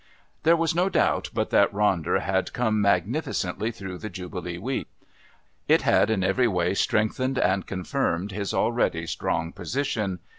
There was no doubt but that Ronder had come magnificently through the Jubilee week. It had in every way strengthened and confirmed his already strong position.